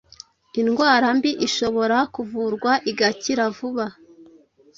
indwara mbi, ishobora kuvurwa igakira vuba